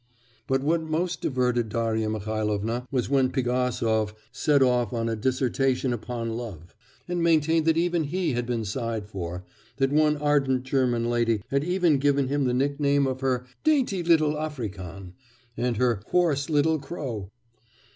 But what most diverted Darya Mihailovna was when Pigasov set off on a dissertation upon love, and maintained that even he had been sighed for, that one ardent German lady had even given him the nickname of her 'dainty little African' and her 'hoarse little crow.